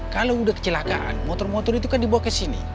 kalau sudah kecelakaan motor motor itu kan dibawa ke sini